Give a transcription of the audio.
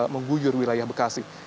mengguyur wilayah bekasi